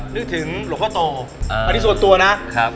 นึกถึงหลวงพ่อโตอันนี้ส่วนตัวนะครับ